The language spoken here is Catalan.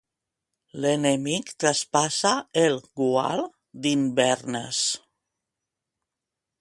L'enemic traspassà el gual d'Inverness.